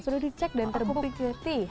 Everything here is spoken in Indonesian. sudah dicek dan terbukti